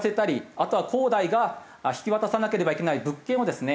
あとは恒大が引き渡さなければいけない物件をですね